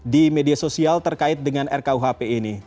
di media sosial terkait dengan rkuhp ini